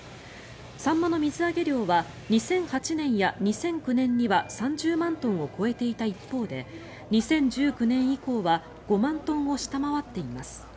サンマの水揚げ量は２００８年や２００９年には３０万トンを超えていた一方で２０１９年以降は５万トンを下回っています。